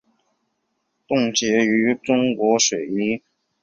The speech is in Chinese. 冻结点取决于水中与冰晶形成有关的杂质。